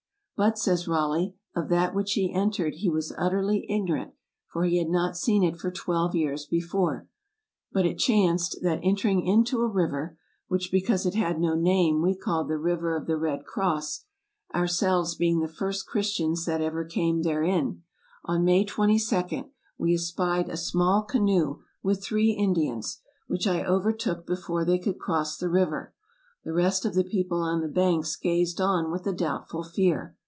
"But," says Raleigh, "of that which he entered he was utterly ignorant, for he had not seen it for twelve years be fore. But it chanced, that entering into a river (which be cause it had no name we called the river of the Red Cross, ourselves being the first Christians that ever came therein) on May 22, we espied a small canoe with three Indians, which I overtook before they could cross the river; the rest of the people on the banks gazed on with a doubtful fear.